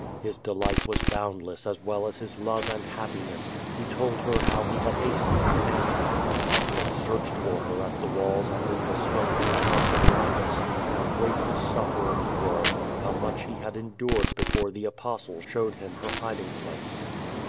His delight was boundless as well as his love and hap piness. He told her how he had hastened from Antium, how he had searched for her at the walls and in the smoke in the house of Linus, how great his sufferings were, how much he had endured before the Apostle showed him her hiding place.